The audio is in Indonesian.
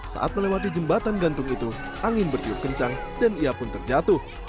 saat melewati jembatan gantung itu angin bertiup kencang dan ia pun terjatuh